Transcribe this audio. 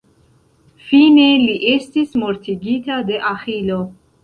Fine, li estis mortigita de Aĥilo.